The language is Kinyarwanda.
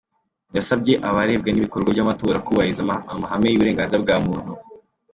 Yasabye abarebwa n’ibikorwa by’amatora kubahiriza amahame y’uburenganzira bwa muntu.